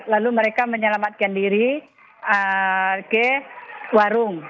lalu mereka menyelamatkan diri ke warung